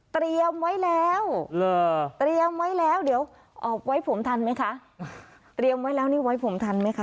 เตรียมไว้แล้วเตรียมไว้แล้วเดี๋ยวออกไว้ผมทันไหมคะเตรียมไว้แล้วนี่ไว้ผมทันไหมคะ